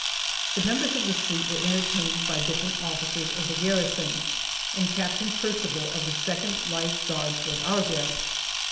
The members of the suite were entertained by different officers of the garrison, and Captain Percival of the Second Life Guards was our guest.